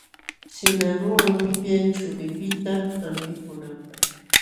Sinawluwan wipyay chullipiqta hampikunanpaq.